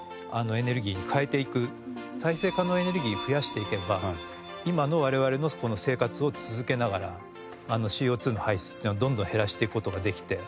再生可能エネルギーを増やしていけば今の我々の生活を続けながらＣＯ２の排出っていうのをどんどん減らしていく事ができて。